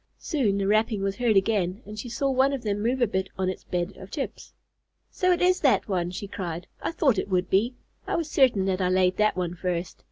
Soon the rapping was heard again and she saw one of them move a bit on its bed of chips. "So it is that one," she cried. "I thought it would be. I was certain that I laid that one first."